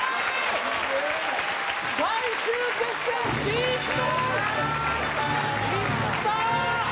最終決戦進出です！